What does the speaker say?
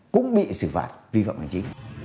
cũng bị xử phạt vi phạm hành trí